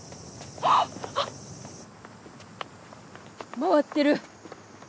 「回ってる」